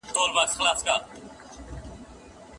د رخصتیو پرمهال روغتونونه خلاص وي؟